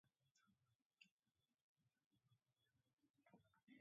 Христианский вера дене илыше марий-влак ынде, революций лиймек, отышко кумалаш коштыт.